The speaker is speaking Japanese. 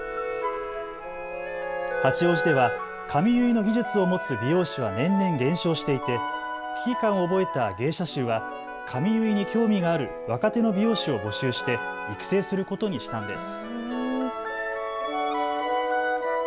八王子では髪結いの技術を持つ美容師は年々減少していて危機感を覚えた芸者衆は髪結いに興味がある若手の美容師を募集して育成することにしたんです。